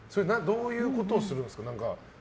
どういうことをするんですか。